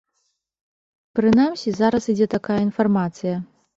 Прынамсі, зараз ідзе такая інфармацыя.